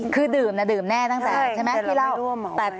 คือดื่มนะดื่มแน่ตั้งแต่